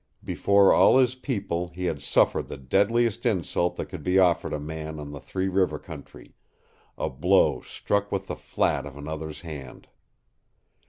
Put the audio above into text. Before all his people he had suffered the deadliest insult that could be offered a man of the Three River Country a blow struck with the flat of another's hand.